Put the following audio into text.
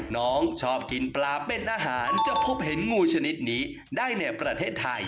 น้องชอบกินปลาเป็นอาหารจะพบเห็นงูชนิดนี้ได้ในประเทศไทย